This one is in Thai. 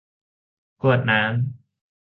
กรวดน้ำ